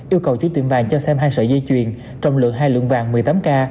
yêu cầu chủ tiệm vàng cho xem hai sợi dây chuyền trọng lượng hai lượng vàng một mươi tám k